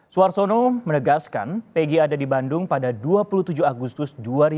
suharsono menegaskan pegi ada di bandung pada dua puluh tujuh agustus dua ribu enam belas